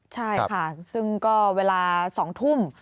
ใช่ค่ะซึ่งก็เวลา๒ทุ่ม